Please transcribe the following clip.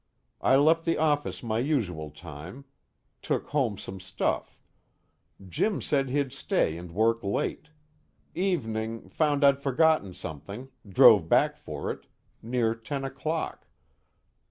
I left the office my usual time, took home some stuff. Jim said he'd stay and work late. Evening, found I'd forgotten something, drove back for it, near ten o'clock.